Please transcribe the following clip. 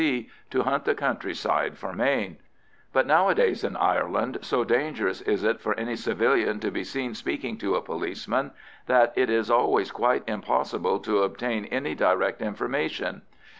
C. to hunt the countryside for Mayne; but nowadays in Ireland, so dangerous is it for any civilian to be seen speaking to a policeman, that it is always quite impossible to obtain any direct information.